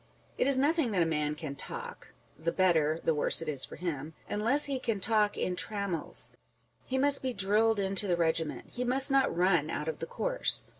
It is nothing that a man can talk (the better, the worse it is for him) unless he can talk in trammels ; he must be drilled into the regiment ; he must not run out of the course